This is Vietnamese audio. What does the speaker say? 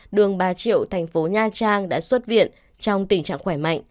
đường ba triệu tp nha trang đã xuất viện trong tình trạng khỏe mạnh